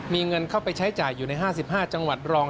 มีเงินเข้าไปใช้จ่ายอยู่ใน๕๕จังหวัดรอง